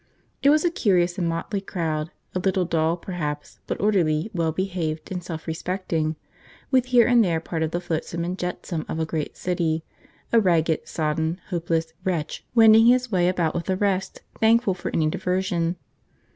It was a curious and motley crowd a little dull, perhaps, but orderly, well behaved, and self respecting, with here and there part of the flotsam and jetsam of a great city, a ragged, sodden, hopeless wretch wending his way about with the rest, thankful for any diversion.